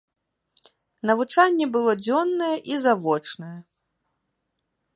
Навучанне было дзённае і завочнае.